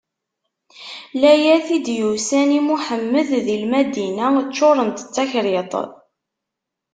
Layat i d-yusan i Muḥemmed di Lmadina ččurent d takriṭ.